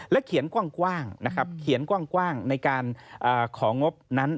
และเขียนกว้างในการของงบนั้น